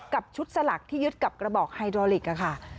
กับชุดสลักที่ยึดกับกระบอกไฮโดรลิกค่ะ